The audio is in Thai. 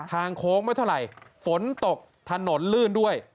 โค้งไม่เท่าไหร่ฝนตกถนนลื่นด้วย